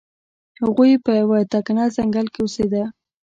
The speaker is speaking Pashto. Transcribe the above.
هغوی په یو تکنه ځنګل کې اوسیده.